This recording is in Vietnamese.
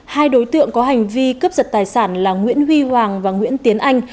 hai đối tượng có hành vi cướp giật tài sản là nguyễn huy hoàng và nguyễn tiến anh